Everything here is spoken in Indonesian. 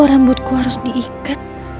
oh rambutku harus diikat